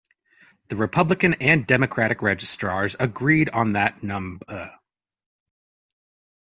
The Republican and Democratic registrars agreed on that numbe.